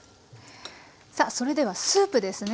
さあそれではスープですね。